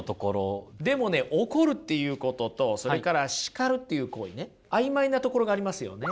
でもね怒るっていうこととそれから叱るっていう行為ね曖昧なところがありますよね。